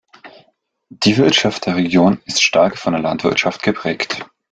Die Wirtschaft der Region ist stark von der Landwirtschaft geprägt.